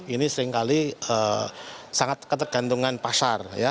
ini seringkali sangat ketergantungan pasar